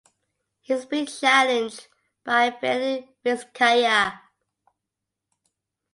He is being challenged by Fiel Vizcaya.